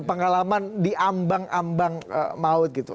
pengalaman diambang ambang maut gitu